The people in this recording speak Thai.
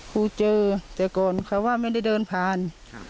ครูเจอแต่ก่อนเขาว่าไม่ได้เดินผ่าน